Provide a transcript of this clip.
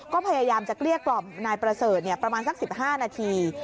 ก็พยายามจะเกลี้ยกรอบนายประเสริฐเนี้ยประมาณสักสิบห้านาที